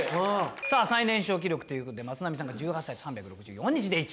さあ最年少記録ということで松波さんが１８歳と３６４日で１位と。